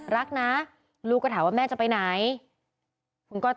รักนะลูกก็ถามว่าแม่จะไปไหน